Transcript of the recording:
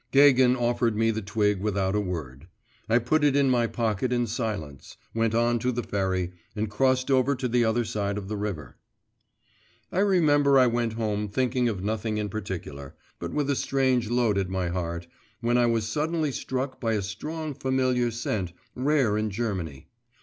Gagin offered me the twig without a word. I put it in my pocket in silence, went on to the ferry, and crossed over to the other side of the river. I remember I went home thinking of nothing in particular, but with a strange load at my heart, when I was suddenly struck by a strong familiar scent, rare in Germany.